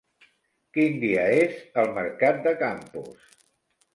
Quin dia és el mercat de Campos?